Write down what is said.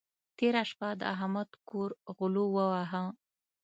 تېره شپه د احمد کور غلو وواهه.